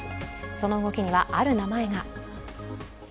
その動きには、ある名前が。